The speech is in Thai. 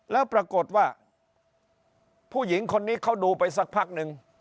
แล้วปรากฏว่าผู้หญิงคนนี้เขาดูไปสักพักนึง